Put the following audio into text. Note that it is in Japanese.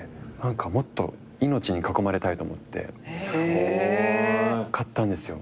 もっと命に囲まれたいと思って買ったんですよ。